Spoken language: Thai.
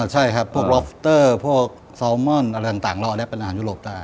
ใช่ครับพวกล็อบสเตอร์พวกซอลมอนอะไรต่างเหล่านี้เป็นอาหารยุโรปได้